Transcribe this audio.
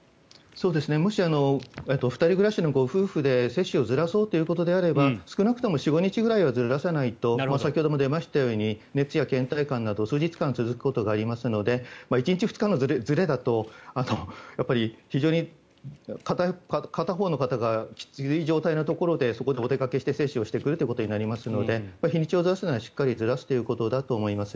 もし２人暮らしのご夫婦で接種をずらそうということであれば少なくとも４５日くらいはずらさないと先ほども出ましたように熱やけん怠感が数日間続くこともありますので１日、２日のずれだと非常に片方の方がきつい状態のところでお出かけをして接種をしてくるということになりますので日にちをずらすならしっかりずらすということだと思います。